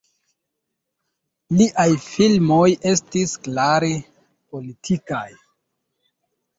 Liaj filmoj estis klare politikaj.